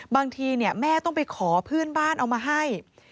บางทีแม่ต้องไปขอเพื่อนบ้านเอามาให้